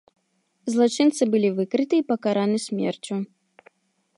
Злачынцы былі выкрыты і пакараны смерцю.